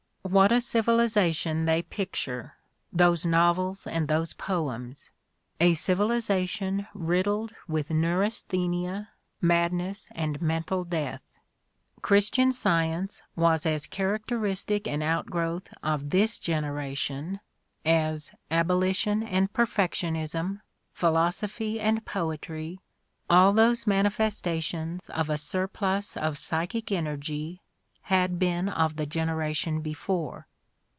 What a civilization they pic ture, those novels and those poems! — a civilization rid dled with neurasthenia, madness and mental death. Christian Science was as characteristic an outgrowth of this generation as abolition and perfectionism, philoso phy and poetry, all those manifestations of a surplus of psychic energy, had been of the generation before.